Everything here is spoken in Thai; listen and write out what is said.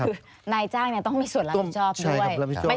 นายจ้างเนี่ยต้องมีส่วนรับสิชอบด้วย